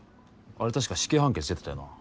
あれ確か死刑判決出てたよな。